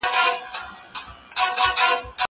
هغه څوک چي موسيقي اوري آرام وي!!